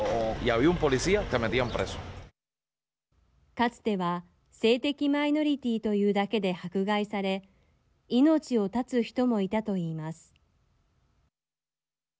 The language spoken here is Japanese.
かつては性的マイノリティーというだけで迫害され命を絶つ人もいたと言います。